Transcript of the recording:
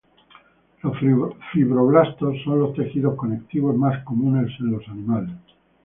Los fibroblastos son los tejidos conectivos más comunes en los animales.